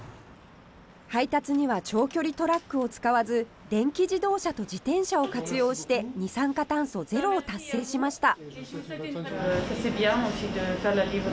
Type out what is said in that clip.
配達には長距離トラックを使わず電気自動車と自転車を活用して二酸化炭素ゼロを達成しました。